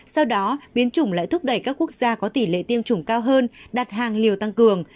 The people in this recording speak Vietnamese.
sau đó biến chủng lại thúc đẩy các quốc gia có tỷ lệ tiêm chủng cao hơn đặt hàng liều tăng cường